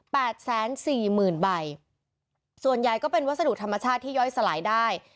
แสนสี่หมื่นใบส่วนใหญ่ก็เป็นวัสดุธรรมชาติที่ย่อยสลายได้